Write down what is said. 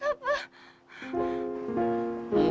saya gak tahu berbuat apa